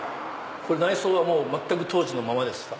内装は全く当時のままですか？